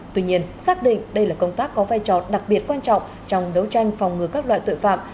tuy nhiên xác định đây là công tác có vai trò đặc biệt quan trọng trong đấu tranh phòng ngừa các loại tội phạm